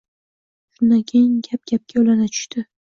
Shundan keyin gap gapga ulana tushdi